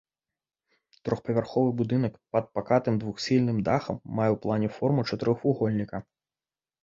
Трохпавярховы будынак пад пакатым двухсхільным дахам мае ў плане форму чатырохвугольніка.